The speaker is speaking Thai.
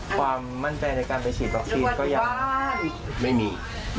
ความมั่นใจในการไปฉีดวัคซีนก็ยังไม่มี